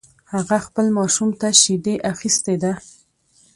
هغې خپل ماشوم ته شیدي ده اخیستی ده